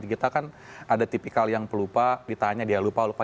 kita kan ada tipikal yang pelupa ditanya dia lupa lupa